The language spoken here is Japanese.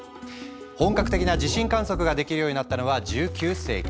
本格的な地震観測ができるようになったのは１９世紀。